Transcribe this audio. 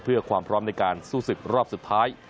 เพื่อความพร้อมในการสู้ศึกรอบสุดท้าย